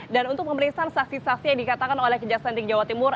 dan untuk pemeriksaan saksi saksi yang dikatakan oleh kejaksaan tinggi jawa timur